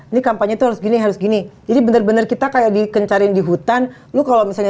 ini kampanye tuh harus gini harus gini jadi bener bener kita kayak dikencarin di hutan lu kalau misalnya